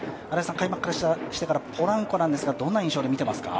開幕してからポランコ、どんな印象で見ていますか？